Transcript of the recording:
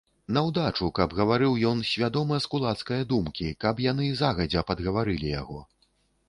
Наўдачу, каб гаварыў ён свядома з кулацкае думкі, каб яны загадзя падгаварылі яго.